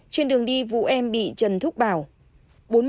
trên đường đi vũ em bị trần thúc bảo